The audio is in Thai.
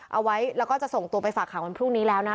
เอาไว้แล้วก็จะส่งตัวไปฝากหางวันพรุ่งนี้แล้วนะ